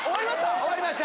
終わりました。